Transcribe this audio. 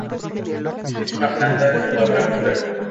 Es de planta cuadrangular.